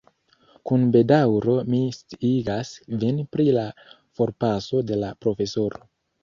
Kun bedaŭro mi sciigas vin pri la forpaso de la profesoro.